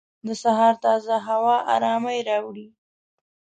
د سهار تازه هوا ارامۍ راوړي.